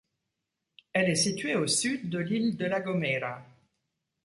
Elle est située au sud de l'île de La Gomera.